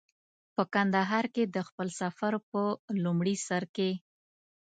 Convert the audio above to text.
په کندهار کې د خپل سفر په لومړي سر کې.